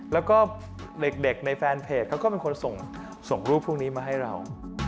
แล้วก็เด็กในแฟนเพจเขาก็เป็นคนส่งรูปพวกนี้มาให้เรา